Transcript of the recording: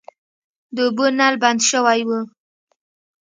د اوبو نل بند شوی و.